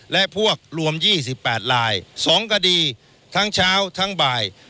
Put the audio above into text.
และพวกรวม๒๘ลาย๒คดีทั้งเช้าทั้งบ่าย